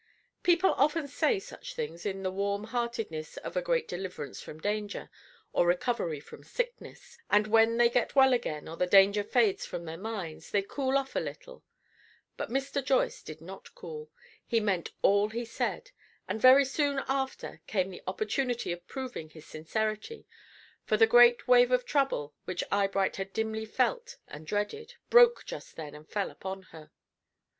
People often say such things in the warm heartedness of a great deliverance from danger, or recovery from sickness, and when they get well again, or the danger fades from their minds, they cool off a little. But Mr. Joyce did not cool; he meant all he said. And very soon after came the opportunity of proving his sincerity, for the great wave of trouble, which Eyebright had dimly felt and dreaded, broke just then and fell upon her.